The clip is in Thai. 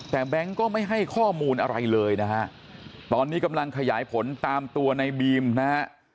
แต่แบงค์ก็ไม่ให้ข้อมูลอะไรเลยนะฮะตอนนี้กำลังขยายผลตามตัวในบีมนะฮะ